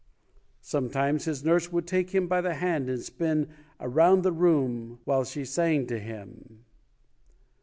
Sometimes his nurse would take him by the hand and spin around the room while she sang to him.